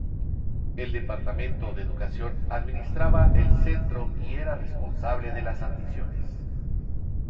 El departamento de educación administraba el centro y era responsable de las admisiones.